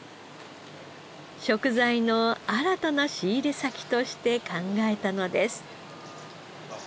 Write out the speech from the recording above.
食材の新たな仕入れ先として考えたのです。